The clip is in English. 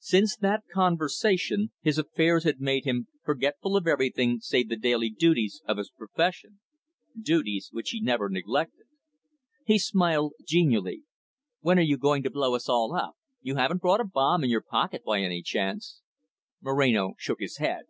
Since that conversation, his own affairs had made him forgetful of everything save the daily duties of his profession, duties which he never neglected. He smiled genially. "When are you going to blow us all up? You haven't brought a bomb in your pocket by any chance?" Moreno shook his head.